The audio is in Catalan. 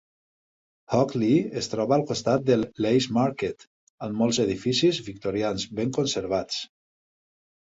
Hockley es troba al costat del Lace Market, amb molts edificis victorians ben conservats.